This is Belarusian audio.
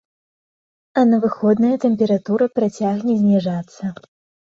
А на выходныя тэмпература працягне зніжацца.